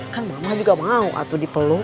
kan mama juga mau atuh dipeluk